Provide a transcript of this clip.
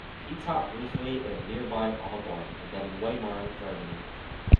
He taught briefly in nearby Aubonne, and then in Weimar, Germany.